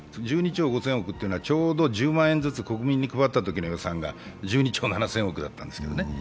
１２兆５０００億というのは、ちょうど１０万円ずつ国民に配った額が１２兆７０００億だったんですけれどもね。